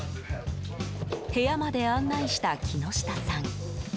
部屋まで案内した木下さん。